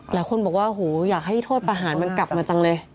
หลายคนบอกว่าโหอยากให้โทษประหารมันกลับมาจังเลย